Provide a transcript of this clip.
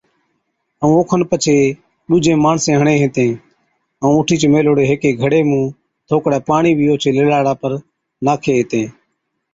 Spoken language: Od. ائُون اوکن پڇي ڏُوجين ماڻسين هِڻي هِتين ائُون اُٺِيچ ميھلوڙي ھيڪي گھڙي مُون ٿوڪڙي پاڻِي بِي اوڇي لِلاڙا پر ناکين ھِتين